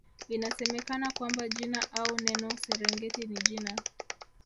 Inasemekana kwamba jina au neno Serengeti ni jina